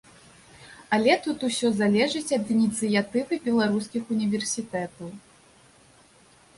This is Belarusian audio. Але тут усё залежыць ад ініцыятывы беларускіх універсітэтаў.